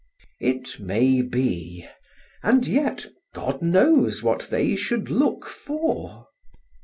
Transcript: It may be, and yet God knows what they should look for.